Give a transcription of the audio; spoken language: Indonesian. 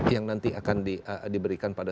yang nanti akan diberikan pada